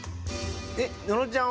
えっ野呂ちゃん